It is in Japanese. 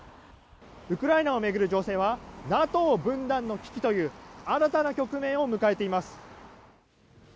ウクライナを巡る情勢はＮＡＴＯ分断の危機という新たな局面を迎えています。